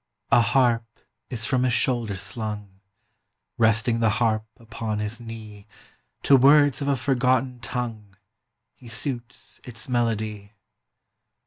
A harp is from his shoulder slung; Resting the harp upon his knee, 35 To words of a forgotten tongue He suits its melody.